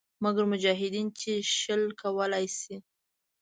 مګر مجاهدین یې شل کولای شي.